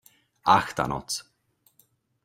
Ach ta noc!